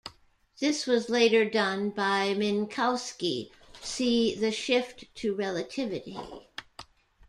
This was later done by Minkowski, see "The shift to relativity".